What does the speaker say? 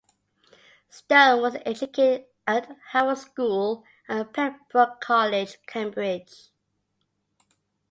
Stone was educated at Harrow School and Pembroke College, Cambridge.